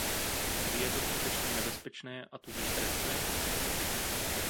Kdy je to skutečně nebezpečné a tudíž trestné?